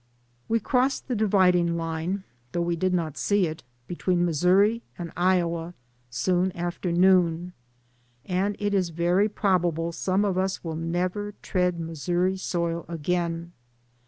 We crossed the dividing line — though we did not see it — between Missouri and Iowa soon after noon, and it is very probable some of us will never tread Missouri soil again.